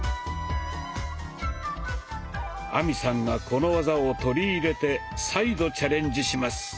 亜美さんがこの技を取り入れて再度チャレンジします。